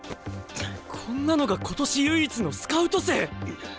こんなのが今年唯一のスカウト生！？